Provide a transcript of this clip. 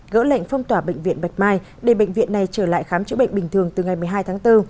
gỡ lệnh phong tỏa bệnh viện bạch mai để bệnh viện này trở lại khám chữa bệnh bình thường từ ngày một mươi hai tháng bốn